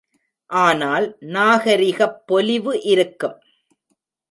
ஆனால், நாகரிகப் பொலிவு இருக்கும்.